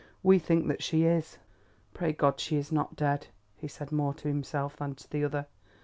We think that she is." "Pray God she is not dead," he said more to himself than to the other.